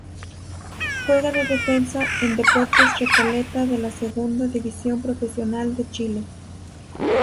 Juega de defensa en Deportes Recoleta de la Segunda División Profesional de Chile.